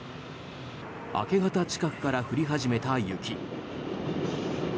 明け方近くから降り始めた雪。